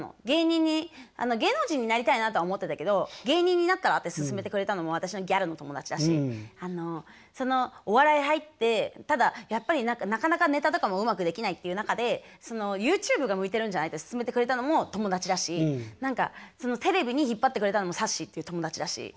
芸人に芸能人になりたいなとは思ってたけど芸人になったらって勧めてくれたのも私のギャルの友達だしお笑い入ってただやっぱりなかなかネタとかもうまくできないっていう中でＹｏｕＴｕｂｅが向いてるんじゃないって勧めてくれたのも友達だし何かテレビに引っ張ってくれたのもさっしーっていう友達だし。